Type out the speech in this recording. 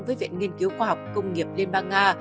với viện nghiên cứu khoa học công nghiệp liên bang nga